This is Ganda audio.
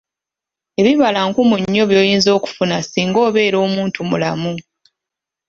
Ebibala nkumu nnyo by'oyinza okufuna singa obeera omuntumulamu.